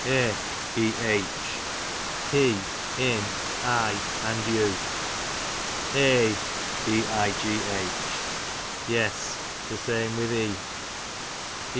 Eh, he ; in; I, and you. Eigh, yes, the same with ee.